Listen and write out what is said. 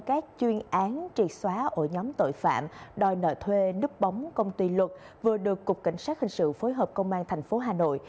các chuyên án triệt xóa ổ nhóm tội phạm đòi nợ thuê núp bóng công ty luật vừa được cục cảnh sát hình sự phối hợp công an thành phố hà nội